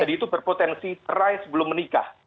jadi itu berpotensi rise sebelum menikah